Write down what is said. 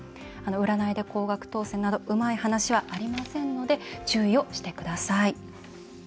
占いで高額当せんなどうまい話はありませんので注意をしてください。